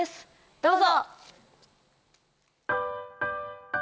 どうぞ。